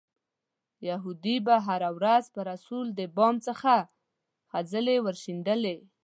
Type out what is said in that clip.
یهودي به هره ورځ پر رسول د بام څخه خځلې ورشیندلې.